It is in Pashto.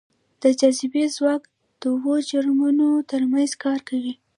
د جاذبې ځواک دوو جرمونو ترمنځ کار کوي.